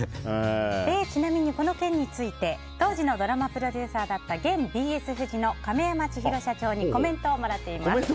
ちなみにこの件について当時のドラマプロデューサーだった現ＢＳフジの亀山千広社長にコメントをもらっています。